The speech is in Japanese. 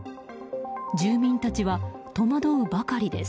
住民たちは戸惑うばかりです。